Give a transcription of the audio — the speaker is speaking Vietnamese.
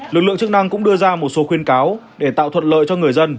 lực lượng chức năng cũng đưa ra một số khuyên cáo để tạo thuận lợi cho người dân